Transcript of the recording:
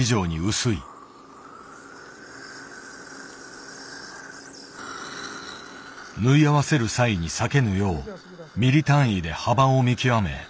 縫い合わせる際に裂けぬようミリ単位で幅を見極め切り込んでいく。